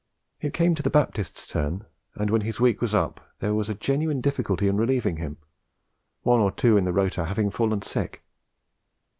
It came to the Baptist's turn, and when his week was up there was a genuine difficulty in relieving him, one or two on the rota having fallen sick.